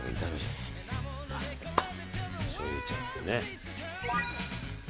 しょうゆもちょっとね。